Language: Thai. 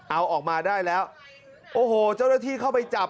เอาออกมาได้แล้วโอ้โหเจ้าหน้าที่เข้าไปจับ